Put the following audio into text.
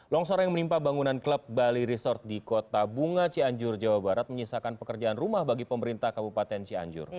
longsor yang menimpa bangunan klub bali resort di kota bunga cianjur jawa barat menyisakan pekerjaan rumah bagi pemerintah kabupaten cianjur